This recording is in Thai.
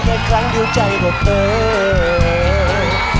แต่ครั้งเดี๋ยวใจเปิดเปิด